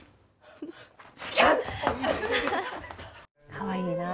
かわいいなあと。